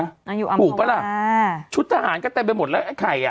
อ้าวอยู่อำคาวาถูกปะล่ะชุดทหารก็เต็มไปหมดแล้วไอ้ไข่อ่ะ